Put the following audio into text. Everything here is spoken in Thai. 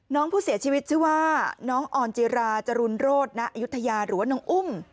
น้องผู้เสียชีวิตชื่อว่าน้องออนจิราจรุณโรธณอายุทยาหรือว่าน้องอุ้ม